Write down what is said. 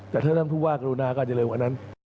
แต่ถ้าท่านผู้ว่ากรุณาก็อาจจะเร็วกว่านั้น